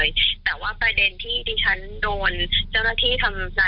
อยู่ในมือดิฉันนะคะ